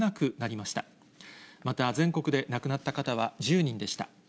また、全国で亡くなった方は１０人でした。